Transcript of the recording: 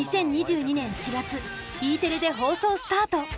２０２２年４月Ｅテレで放送スタート。